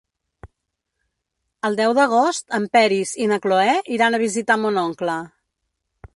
El deu d'agost en Peris i na Cloè iran a visitar mon oncle.